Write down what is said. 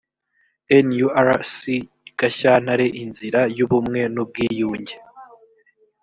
nurc gashyantare inzira y ubumwe n ubwiyunge